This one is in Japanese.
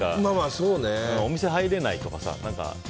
お店入れないとかさ